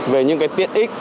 về những cái tiết